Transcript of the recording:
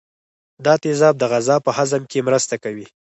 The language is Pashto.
دا تیزاب د غذا په هضم کې مرسته کوي.